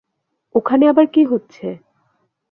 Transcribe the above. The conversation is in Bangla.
ওখানে আবার কী হচ্ছে?